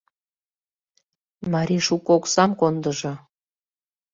Марий шуко оксам кондыжо.